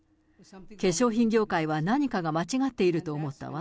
化粧品業界は何かが間違っていると思ったわ。